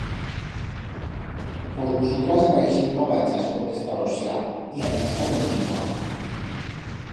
Pos vusotras parixez gavachas, contesta Orosia, y a rinyata continúa.